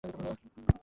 ইনি আপনার চাচা হন।